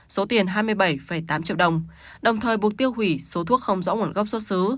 số tiền hai mươi bảy tám triệu đồng đồng thời buộc tiêu hủy số thuốc không rõ nguồn gốc xuất xứ